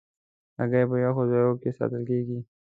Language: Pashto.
هګۍ په یخو ځایونو کې ساتل کېږي.